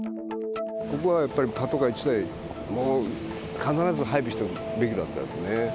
ここはやっぱり、パトカー１台を必ず配備しておくべきだったですね。